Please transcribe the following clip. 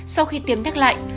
sau khi tiêm nhắc lại